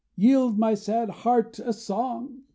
yield my sad heart a song.